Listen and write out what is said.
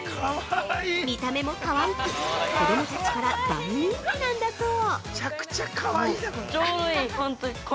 見た目も可愛く子供たちから大人気なんだそう！